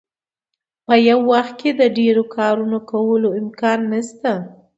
په یو وخت کې د ډیرو کارونو کولو امکان نشته.